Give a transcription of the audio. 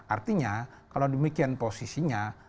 artinya kalau demikian posisinya